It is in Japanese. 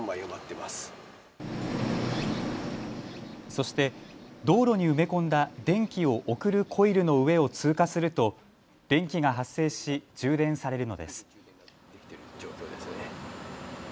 そして道路に埋め込んだ電気を送るコイルの上を通過すると電気が発生し充電されるのです。